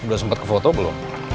belum sempet kefoto belum